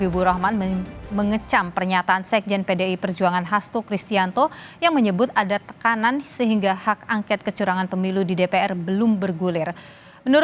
dua ribu dua puluh empat bukan karena tekanan